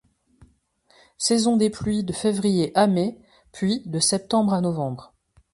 Saisons des pluies de février à mai, puis de septembre à novembre.